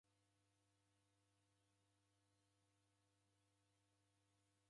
W'ana w'amu ndew'iw'adie w'uing'oni.